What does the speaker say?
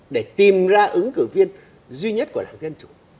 để tìm ra ứng cử viên duy nhất của đảng dân chủ